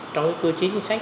trong cái cơ chế chính sách